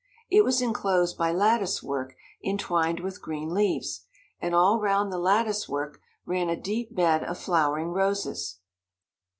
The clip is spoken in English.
It was enclosed by lattice work entwined with green leaves, and all round the lattice work ran a deep bed of flowering roses.